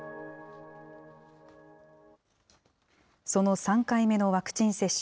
その３回目のワクチン接種。